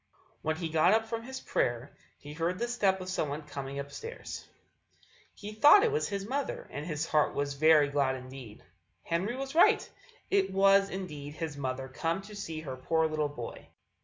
When he got up from his prayer he heard the step of someone coming upstairs; he thought it was his mother, and his little heart was very glad indeed. Henry was right: it was indeed his mother come to see her poor little boy.